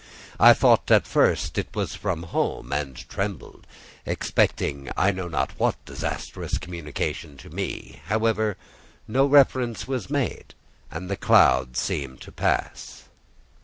I thought at first it was from home, and trembled, expecting I know not what disastrous communication: to me, however, no reference was made, and the cloud seemed to pass.